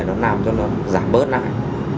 nó làm cho nó giảm bớt lại